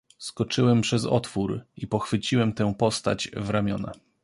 "Skoczyłem przez otwór i pochwyciłem tę postać w ramiona."